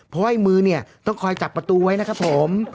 เพราะว่าไอ้มือเนี่ยต้องคอยจับประตูไว้นะครับผม